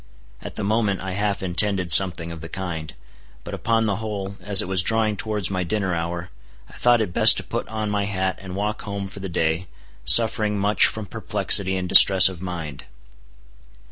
At the moment I half intended something of the kind. But upon the whole, as it was drawing towards my dinner hour, I thought it best to put on my hat and walk home for the day, suffering much from perplexity and distress of mind.